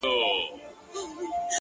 په سل ځله دي غاړي ته لونگ در اچوم؛